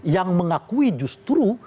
yang mengakui justru